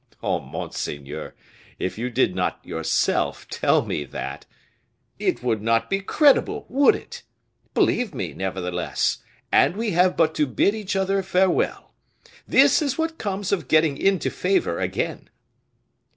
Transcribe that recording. "Oh, monseigneur, if you did not yourself tell me that " "It would not be credible, would it? Believe me, nevertheless, and we have but to bid each other farewell. This is what comes of getting into favor again."